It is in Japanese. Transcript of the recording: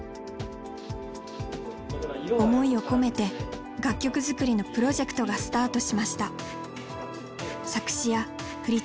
思いを込めて楽曲作りのプロジェクトがスタートしました。